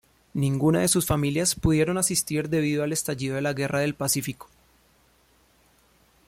Ninguna de sus familias pudieron asistir debido al estallido de la Guerra del Pacífico.